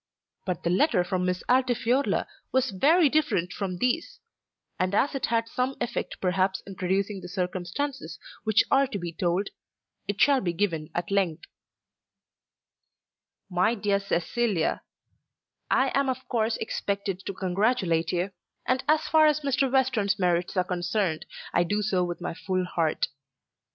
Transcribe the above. But the letter from Miss Altifiorla was very different from these, and as it had some effect perhaps in producing the circumstances which are to be told, it shall be given at length: "MY DEAR CECILIA, I am of course expected to congratulate you, and as far as Mr. Western's merits are concerned, I do so with my full heart.